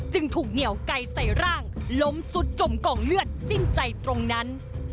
จึงถูกเหนียวไก่ใส่ร่างล้มสุดจมกองเลือดสิ้นใจตรงนั้น